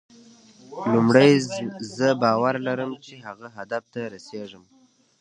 لومړی زه باور لرم چې هغه هدف ته رسېږم.